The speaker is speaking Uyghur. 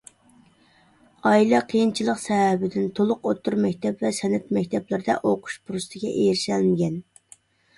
ئائىلە قىيىنچىلىق سەۋەبىدىن تولۇق ئوتتۇرا مەكتەپ ۋە سەنئەت مەكتەپلىرىدە ئوقۇش پۇرسىتىگە ئېرىشەلمىگەن.